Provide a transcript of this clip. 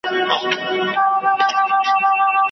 نه به ږغ د محتسب وي نه دُره نه به جنون وي